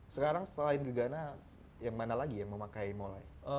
sekarang setelah gegana yang mana lagi yang memakai mulai